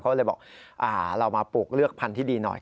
เขาเลยบอกเรามาปลูกเลือกพันธุ์ที่ดีหน่อย